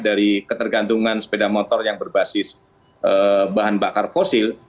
dari ketergantungan sepeda motor yang berbasis bahan bakar fosil